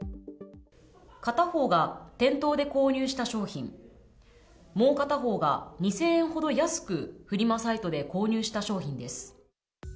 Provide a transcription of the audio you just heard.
片方が店頭で購入した商品、もう片方が、２０００円ほど安く、フリマサイトで購入した商品です。